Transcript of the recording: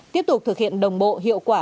tiếp tục thực hiện đồng bộ hiệu quả